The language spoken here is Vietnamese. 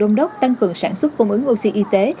đông đốc đã có khuẩn sản xuất cung ứng oxy y tế